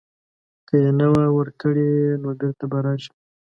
که یې نه وه ورکړې نو بیرته به راشم.